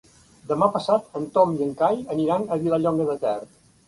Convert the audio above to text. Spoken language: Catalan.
Demà passat en Tom i en Cai aniran a Vilallonga de Ter.